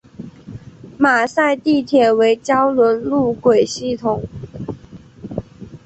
马赛地铁为胶轮路轨系统。